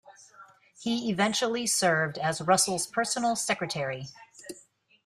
He eventually served as Russell's personal secretary.